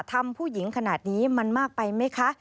ทำผู้หญิงขนาดนี้มันมากไปไหมคะ